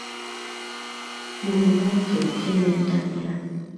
mëmuntsëcquidmendabi adnuc